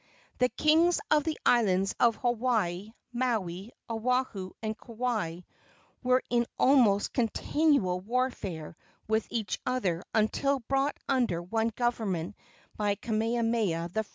The kings of the islands of Hawaii, Maui, Oahu and Kauai were in almost continual warfare with each other until brought under one government by Kamehameha I.